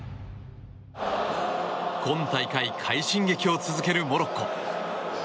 今大会快進撃を続けるモロッコ。